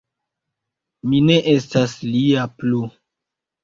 Mi ne estas lia plu.